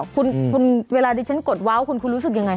คุณเวลาที่ฉันกดว้าวคุณรู้สึกอย่างไร